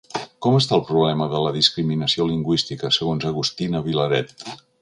Com està el problema de la discriminació lingüística segons Agustina Vilaret?